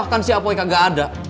bahkan si apoika gak ada